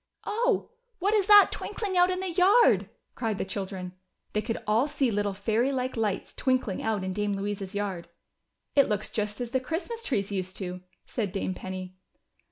"Oh! what is that twinkling out in the yard?" cried the children. They could all see little fairy like lights twinkling out in Dame Louisa's yard. "It looks just as the Christmas trees used to," said Dame Penny.